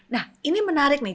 nah ini menarik nih